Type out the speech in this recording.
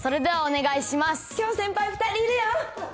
きょう先輩２人いるよ。